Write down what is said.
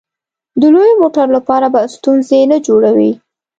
د لویو موټرو لپاره به ستونزې نه جوړوې.